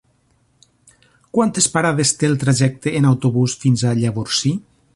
Quantes parades té el trajecte en autobús fins a Llavorsí?